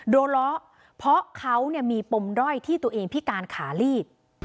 ล้อเพราะเขามีปมด้อยที่ตัวเองพิการขาลีบ